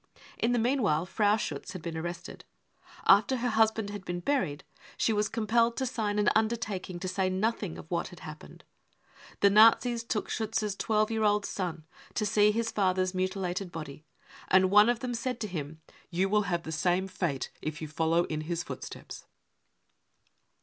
In the meanwhile, Frau * Schiitz had been arrested. After her husband had been 1 326 BROWN BOOK OF THE HITLER TERROR buried she was compelled to sign an undertaking to say nothing of what had happened. The Nazis took Schiitz's twelve year old son to see his father's mutilated body, and one of them said to him :" You will have^the same fate if you follow in his footsteps."